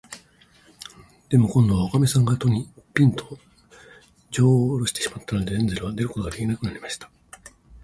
でも、こんどは、おかみさんが戸に、ぴんと、じょうをおろしてしまったので、ヘンゼルは出ることができなくなりました。